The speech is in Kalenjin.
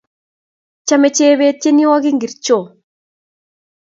Chame Chebet tyenwogik ngircho?